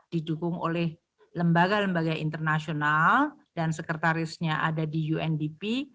diantara lembaga lembaga internasional dan sekretaris di undp